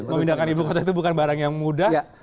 memindahkan ibu kota itu bukan barang yang mudah